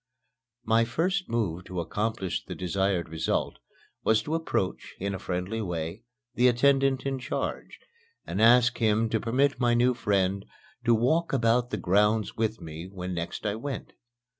My first move to accomplish the desired result was to approach, in a friendly way, the attendant in charge, and ask him to permit my new friend to walk about the grounds with me when next I went.